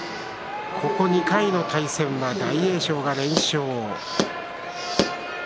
ここ２回の対戦は大栄翔が連勝。